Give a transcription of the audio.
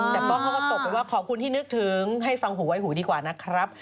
แต่ป้องเขาก็ตกไปว่าขอบคุณที่นึกถึงให้ฟังหูไว้หูดีกว่านะครับ